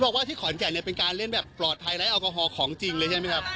บอกว่าที่ขอนแก่นเนี่ยเป็นการเล่นแบบปลอดภัยไร้แอลกอฮอลของจริงเลยใช่ไหมครับ